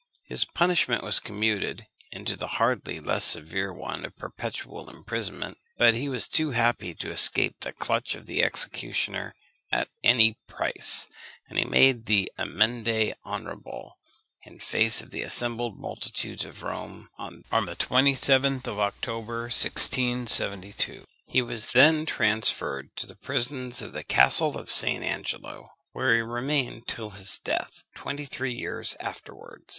His punishment was to be commuted into the hardly less severe one of perpetual imprisonment; but he was too happy to escape the clutch of the executioner at any price, and he made the amende honorable in face of the assembled multitudes of Rome on the 27th of October 1672. He was then transferred to the prisons of the Castle of St. Angelo, where he remained till his death, twenty three years afterwards.